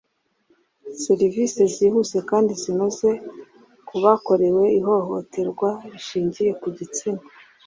serivisi zihuse kandi zinoze ku bakorewe ihohoterwa rishingiye ku gitsina